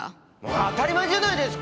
当たり前じゃないですか！